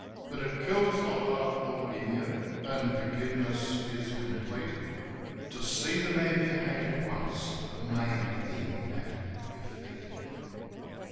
But it kills the hard thought in you, an' forgiveness is complete, To see the man you hated once a maimed thing at your feet.